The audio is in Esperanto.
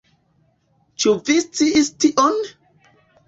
Ĉu vi sciis tion?